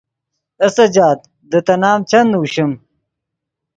اے سجاد دے تے نام چند نوشیم۔